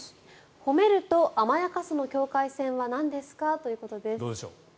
褒めると甘やかすの境界線はなんですか？ということです。